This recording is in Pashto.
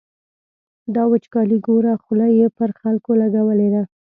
دا وچکالي ګوره، خوله یې پر خلکو لګولې ده.